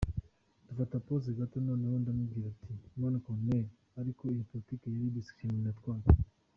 Dufata pause gato noneho ndamubwira nti mon Colonel, ariko iyo politique yari discriminatoire.